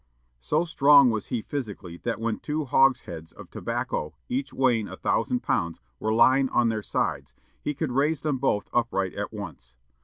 So strong was he physically that when two hogsheads of tobacco, each weighing a thousand pounds, were lying on their sides, he could raise them both upright at once.